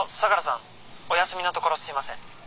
お休みのところすいません。